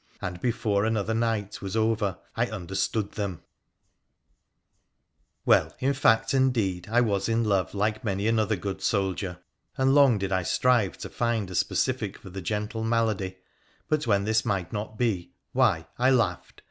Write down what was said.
And before another night was over I understood them ! Well, in fact and in deed, I was in love like many another good soldier, and long did I strive to find a specific for the gentle malady, but when this might not be — why, I laughed